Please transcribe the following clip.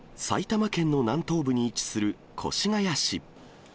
埼玉県の南東部に位置する越谷市。